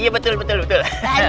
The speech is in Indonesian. iya betul betul betul